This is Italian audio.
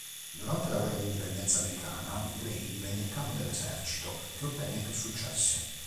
Durante la guerra d'indipendenza americana Grey divenne il capo dell'esercito che ottenne più successi.